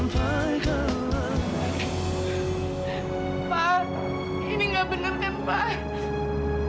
pak ini gak bener kan pak